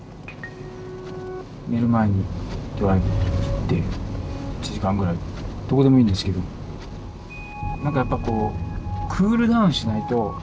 寝る前にドライブ行って１時間ぐらいどこでもいいんですけど何かやっぱこうクールダウンしないと何か眠れないんですよ。